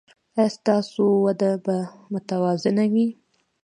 ایا ستاسو وده به متوازنه وي؟